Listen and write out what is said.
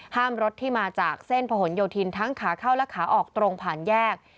รถที่มาจากเส้นผนโยธินทั้งขาเข้าและขาออกตรงผ่านแยก